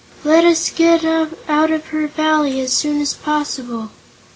Let us get out of her Valley as soon as possible."